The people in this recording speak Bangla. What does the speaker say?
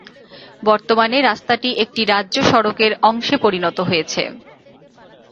বর্তমানে রাস্তাটি একটি রাজ্য সড়কের অংশে পরিনত হয়েছে।